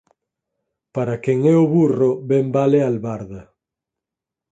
Para quen é o burro ben vale a albarda